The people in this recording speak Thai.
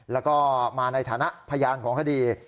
แล้วก็มาในฐานะพยานของคดี